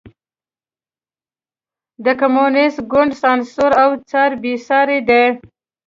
د کمونېست ګوند سانسور او څار بېساری دی.